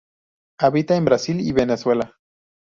Habita en Brasil y Venezuela.